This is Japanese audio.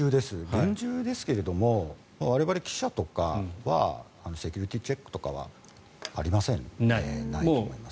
厳重ですけど我々記者とかはセキュリティーチェックとかはないと思います。